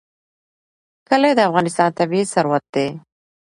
کلي د افغانستان طبعي ثروت دی.